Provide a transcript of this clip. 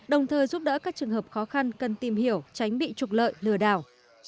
đồng thời giúp đỡ các trường hợp khó khăn cần tìm hiểu tránh bị trục lợi lừa đảo